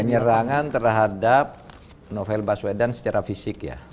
penyerangan terhadap novel baswedan secara fisik ya